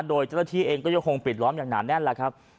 โดยจริงที่เองก็จะคงปิดล้อมอย่างหนาแน่นแหละครับ